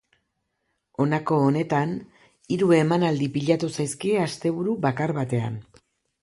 Honako honetan hiru emanaldi pilatu zaizkie asteburu bakar batean.